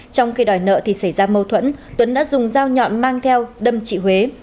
trong khi đòi nợ thì xảy ra mâu thuẫn tuấn đã dùng dao nhọn mang theo đâm chị huế